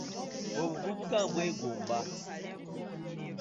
Obuvubuka mbwegomba.